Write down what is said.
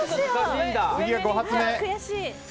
次が５発目。